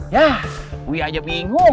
ya uya aja bingung